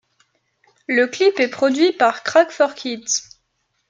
Le clip est produit par Crack For Kids.